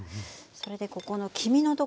それでここの黄身のところに。